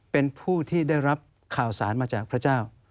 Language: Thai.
เป็นผู้ที่ได้รับข่าวสารมาจากพระเจ้า